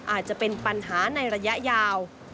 อาจจะเป็นปัญหาในระยะยาว